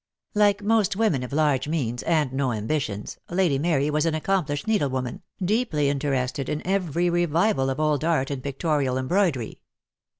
Like most women of large means and no ambitions. Lady Mary was an accomplished needle woman, deeply interested in eveiy revival of old art in pictorial embroidery.